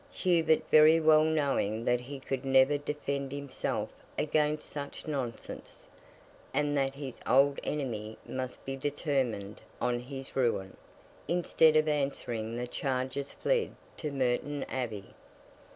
Hubert very well knowing that he could never defend himself against such nonsense, and that his old enemy must be determined on his ruin, instead of answering the charges fled to Merton Abbey.